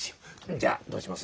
じゃあどうします？